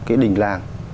cái đỉnh làng